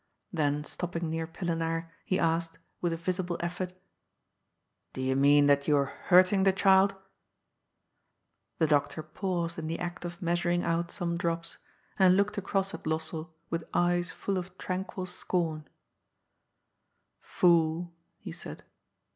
Then stopping near Pillenaar, he asked, with a visible effort :" Do you mean that you are hurting the child ?" The doctor paused in the act of measuring out some drops, and looked across at Lossell with eyes full of tranquil scorn :" Fool," he said.